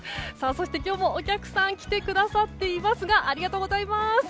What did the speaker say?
そして、今日もお客さんが来てくださっていますがありがとうございます。